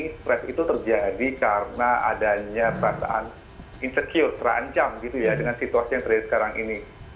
stres itu terjadi karena adanya perasaan insecure terancam gitu ya dengan situasi yang terjadi sekarang ini